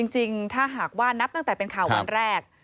จริงถ้าหากว่านับตั้งแต่เป็นข่าววันแรก